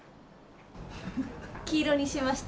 黄色にしました。